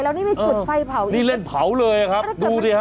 แล้วนี่ไม่จุดไฟเผาเลยนี่เล่นเผาเลยอะครับดูดิฮะ